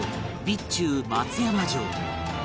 備中松山城